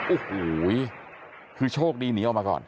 โอ้โหคือโชคดีหนีออกมาก่อน